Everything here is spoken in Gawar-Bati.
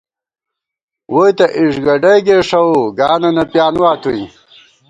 ووئی تہ اِیݫگڈَئی گېݭُو ، گانہ نہ پیانُوا تُوئیں